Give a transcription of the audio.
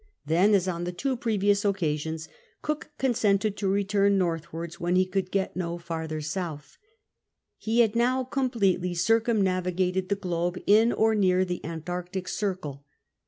Then, as on the two previous CAPTAIN COOK CHAP. 106 occasions, Cook consented to return northwards when he could get np farther south. He had now completely circumnavigated the globe in or near the Antarctic circle.